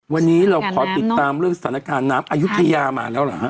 วันนี้เราขอติดตามเรื่องสถานการณ์น้ำอายุทยามาแล้วเหรอฮะ